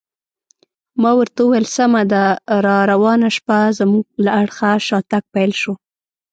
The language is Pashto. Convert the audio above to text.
ما ورته وویل: سمه ده، راروانه شپه زموږ له اړخه شاتګ پیل شو.